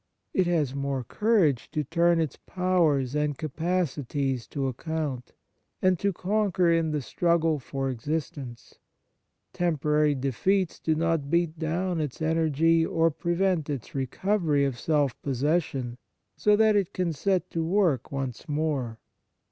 It has more courage to turn its powers and capacities to account, and to conquer in the struggle for existence; temporary defeats do not beat down its energy or prevent its recovery of self possession, so that it can set to work once more.